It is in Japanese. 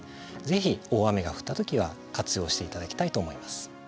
ぜひ大雨が降った時は活用して頂きたいと思います。